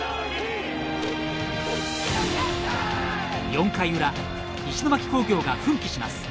４回裏石巻工業が奮起します。